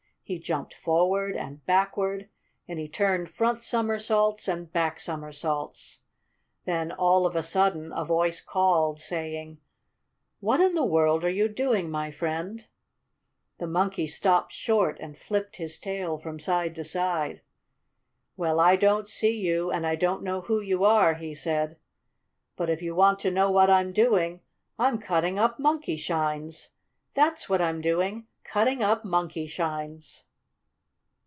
He jumped forward and backward and he turned front somersaults and backward somersaults. Then, all of a sudden, a voice called, saying: "What in the world are you doing, my friend?" The Monkey stopped short, and flipped his tail from side to side. "Well, I don't see you, and I don't know who you are," he said, "but if you want to know what I'm doing, I'm cutting up Monkeyshines! That's what I'm doing! Cutting up Monkeyshines!"